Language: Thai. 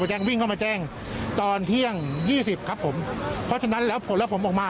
น้ำมันที่ถูกไฟไหม้ในครั้งนี้เป็นของที่เหลือจากเหตุไฟไหม้เมื่อเดือนเมษายนที่ผ่านมาค่ะ